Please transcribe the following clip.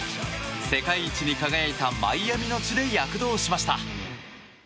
世界一に輝いたマイアミの地で躍動しました。